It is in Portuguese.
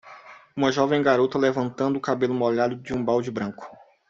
uma jovem garota levantando o cabelo molhado de um balde branco